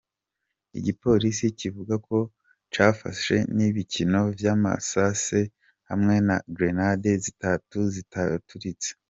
Igipolisi kivuga ko cafashe n'ibikono vy'amasase hamwe na "grenades" zitatu zitaturitse.